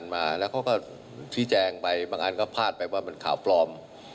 บางอันก็พลาดไปว่ามันข่าวปลอม